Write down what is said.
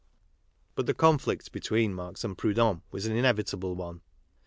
But the conflict between Marx and Proudhon was an inevitable one.